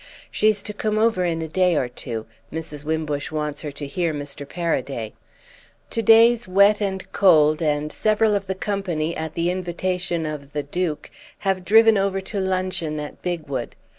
She's to come over in a day or two—Mrs. Wimbush wants her to hear Mr. Paraday. "To day's wet and cold, and several of the company, at the invitation of the Duke, have driven over to luncheon at Bigwood.